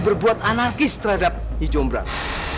berbuat anarkis terhadap nyi jombrang